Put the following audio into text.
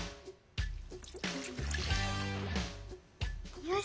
よし。